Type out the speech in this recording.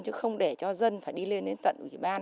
chứ không để cho dân phải đi lên đến tận ủy ban